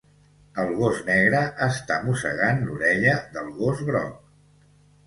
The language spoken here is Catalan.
El gos negre està mossegant l'orella del gos groc.